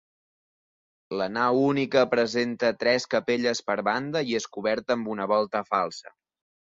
La nau única presenta tres capelles per banda, i és coberta amb una volta falsa.